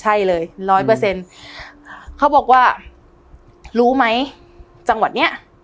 ใช่เลย๑๐๐เขาบอกว่ารู้ไหมจังหวัดเนี้ย